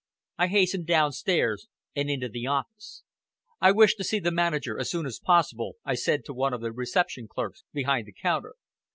I hastened downstairs and into the office. "I wish to see the manager as soon as possible," I said to one of the reception clerks behind the counter.